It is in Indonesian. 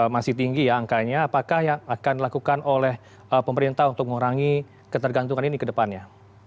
masih tinggi ya angkanya apakah yang akan dilakukan oleh pemerintah untuk mengurangi ketergantungan ini ke depannya